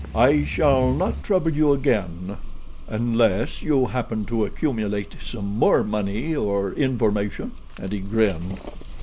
"I shall not trouble you again—unless you happen to accumulate some more money or information," and he grinned.